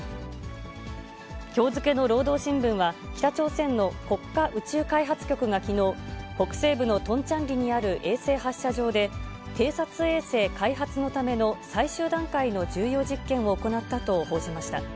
きょう付けの労働新聞は、北朝鮮の国家宇宙開発局がきのう、北西部のトンチャンリにある衛星発射場で、偵察衛星開発のための最終段階の重要実験を行ったと報じました。